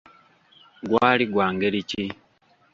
Gwali gwa ngeri ki?